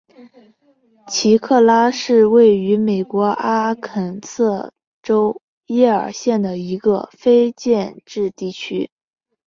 奇克拉是位于美国阿肯色州耶尔县的一个非建制地区。